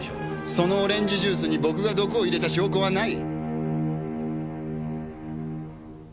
そのオレンジジュースに僕が毒を入れた証拠はない！